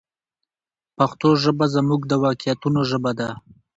پښتو ژبه زموږ د واقعیتونو ژبه ده.